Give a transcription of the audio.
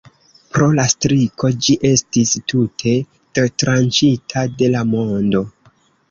Pro la striko ĝi estis tute detranĉita de la mondo.